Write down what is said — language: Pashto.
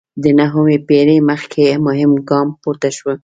د نهمې پېړۍ مخکې مهم ګام پورته شو.